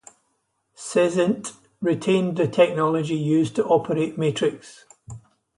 Seisint retained the technology used to operate Matrix.